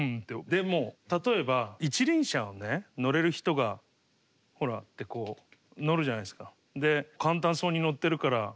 でも例えば一輪車をね乗れる人が「ほら」ってこう乗るじゃないですか。